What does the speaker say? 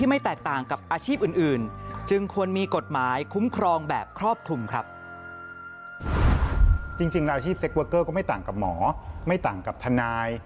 ไม่ต่างกับหมอไม่ต่างกับทนาย